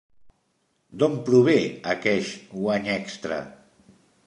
D'on prové aqueix guany extra?